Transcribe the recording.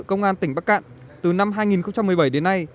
công an tỉnh bắc cạn từ năm hai nghìn một mươi bảy đến nay